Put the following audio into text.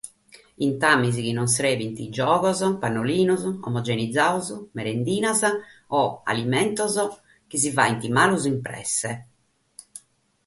Non serbint imbetzes giogos, pannolinos, omogenizados, merendinas o alimentos chi coitant a s’ispèrdere.